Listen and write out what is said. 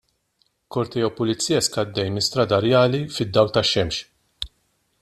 Korteo pulizjesk għaddej minn Strada Rjali fid-dawl tax-xemx.